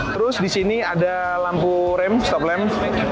terus di sini ada lampu rem stop lem